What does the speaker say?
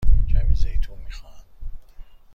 کمی زیتون می خواهم.